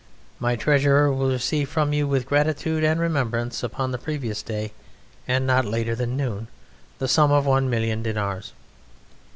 My treasurer will receive from you with gratitude and remembrance upon the previous day and not later than noon, the sum of one million dinars."